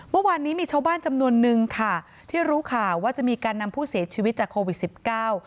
เมื่อวานนี้มีชาวบ้านจำนวนนึงค่ะที่รู้ข่าวว่าจะมีการนำผู้เสียชีวิตจากโควิดสิบเก้า